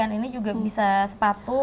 tapi pakaian ini juga bisa sepatu